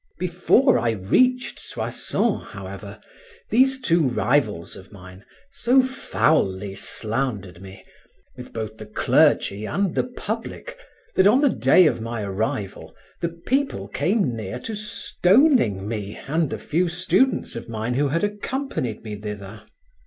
Before I reached Soissons, however, these two rivals of mine so foully slandered me with both the clergy and the public that on the day of my arrival the people came near to stoning me and the few students of mine who had accompanied me thither.